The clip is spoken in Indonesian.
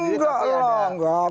oh enggak lah enggak